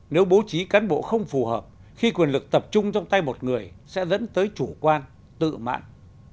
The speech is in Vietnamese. nếu bố trí cán bộ không phù hợp khi quyền lực tập trung trong tay một người sẽ dẫn tới chủ quan tự mạng